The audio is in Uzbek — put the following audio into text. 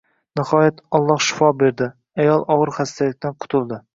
Nihoyat Olloh shifo berdi, ayol ogʻir xastalikdan qutuldi